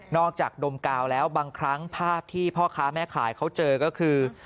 จากดมกาวแล้วบางครั้งภาพที่พ่อค้าแม่ขายเขาเจอก็คือ